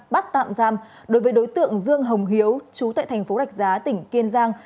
bắt tạm giam đối với đối tượng dương hồng hiếu chú tại thành phố đạch giá tỉnh kiên giang